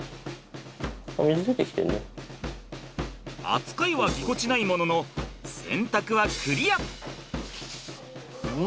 扱いはぎこちないものの洗濯はクリア。